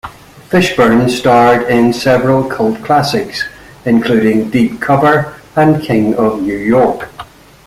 Fishburne starred in several cult classics, including "Deep Cover" and "King of New York".